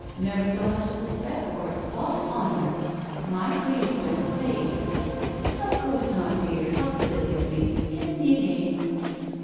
Never so much as a speck or a spot on her. My cream don't fade." Of course not, dear! How silly of me! Kiss i^e again."